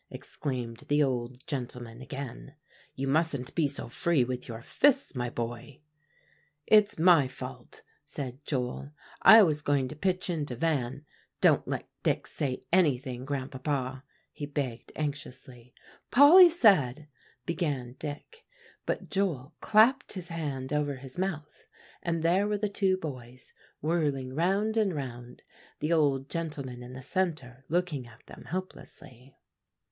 exclaimed the old gentleman again. "You mustn't be so free with your fists, my boy." "It's my fault," said Joel; "I was going to pitch into Van. Don't let Dick say anything, Grandpapa," he begged anxiously. "Polly said" began Dick; but Joel clapped his hand over his mouth and there were the two boys whirling round and round, the old gentleman in the centre looking at them helplessly.